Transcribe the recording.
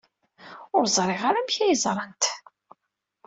Ur ẓriɣ ara amek ay ẓrant.